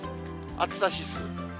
暑さ指数。